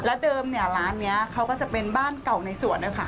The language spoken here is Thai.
เดิมเนี่ยร้านนี้เขาก็จะเป็นบ้านเก่าในสวนด้วยค่ะ